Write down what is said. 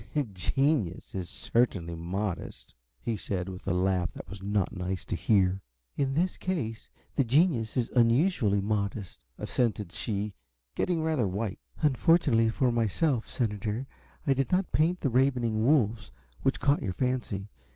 "Genius is certainly modest," he said, with a laugh that was not nice to hear. "In this case, the genius is unusually modest," assented she, getting rather white. "Unfortunately for myself, senator, I did not paint the 'ravening wolves' which caught your fancy.